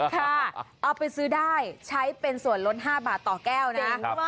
เอาไปซื้อได้ใช้เป็นส่วนลด๕บาทต่อแก้วนะ